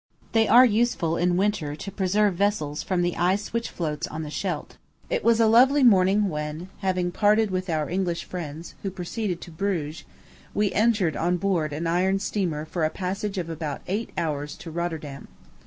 They are useful in winter, to preserve vessels from the ice which floats in the Scheldt. It was a lovely morning when, having parted with our English friends, who proceeded to Bruges, we entered on board an iron steamer for a passage of about eight hours to Rotterdam.